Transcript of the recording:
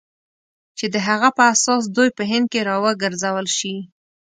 چې د هغه په اساس دوی په هند کې را وګرځول شي.